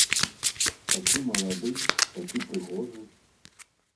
Такі малады, такі прыгожы!